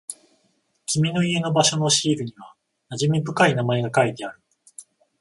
君の家の場所のシールには馴染み深い名前が書いてある。